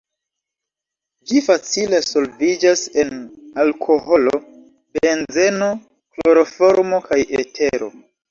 Ĝi facile solviĝas en alkoholo, benzeno, kloroformo kaj etero.